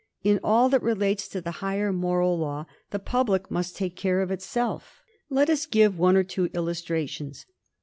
In all that relates to the higher moral law the public must take care of itself. Let us give one or two illustrations.